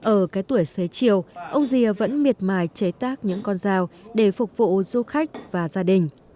ở cái tuổi xế chiều ông rìa vẫn miệt mài chế tác những con dao để phục vụ du khách và gia đình